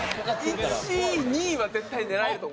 １位２位は絶対狙えると思います。